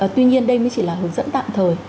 tuy nhiên đây mới chỉ là hướng dẫn tạm thời